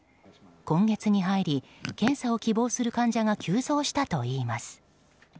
今月に入り検査を希望する患者が急増したといいます。